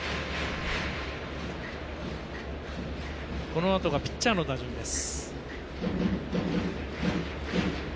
このあとがピッチャーの打順です。